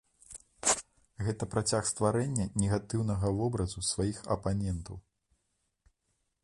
Гэта працяг стварэння негатыўнага вобразу сваіх апанентаў.